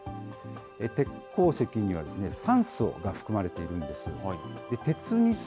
鉄鉱石には酸素が含まれているんです。